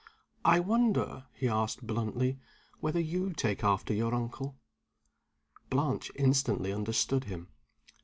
"I wonder," he asked, bluntly, "whether you take after your uncle?" Blanche instantly understood him.